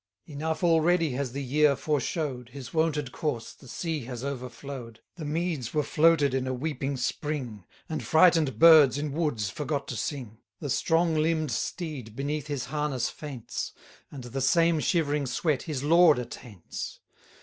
Enough already has the year foreshow'd 170 His wonted course, the sea has overflow'd, The meads were floated with a weeping spring, And frighten'd birds in woods forgot to sing: The strong limb'd steed beneath his harness faints, And the same shivering sweat his lord attaints.